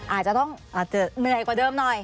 อาจจะต้องเหนื่อยกว่าเดิมหน่อย